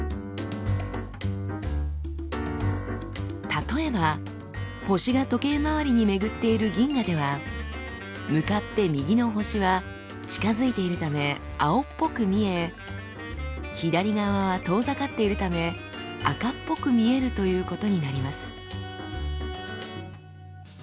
例えば星が時計回りに巡っている銀河では向かって右の星は近づいているため青っぽく見え左側は遠ざかっているため赤っぽく見えるということになります。